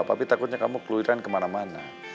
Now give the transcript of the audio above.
tapi takutnya kamu keliran kemana mana